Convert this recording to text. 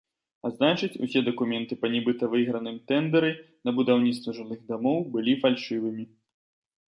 А значыць, усе дакументы па нібыта выйграным тэндэры на будаўніцтва жылых дамоў былі фальшывымі.